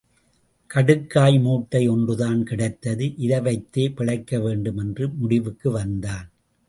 கடுக்காய் மூட்டை ஒன்றுதான் கிடைத்து, இதை வைத்தே பிழைக்கவேண்டும் என்ற முடிவுக்கு வந்தான்.